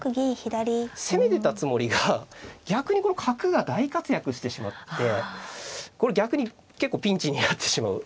攻めてたつもりが逆にこの角が大活躍してしまってこれ逆に結構ピンチになってしまう。